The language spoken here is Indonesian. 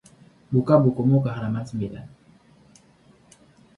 Buka bukumu ke halaman sembilan.